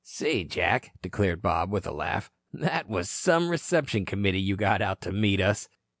"Say, Jack," declared Bob with a laugh, "that was some reception committee you got out to meet us."